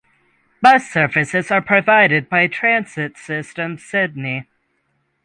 Bus services are provided by Transit Systems Sydney.